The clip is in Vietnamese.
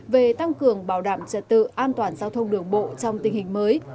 về tăng cường bảo đảm trật tự an toàn giao thông đường bộ trong tình hình mới